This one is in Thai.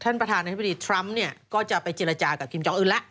ประธานาธิบดีทรัมป์เนี่ยก็จะไปเจรจากับทีมจองอื่นแล้ว